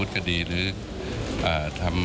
สวัสดีครับ